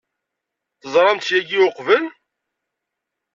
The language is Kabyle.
Teẓram-tt yagi uqbel?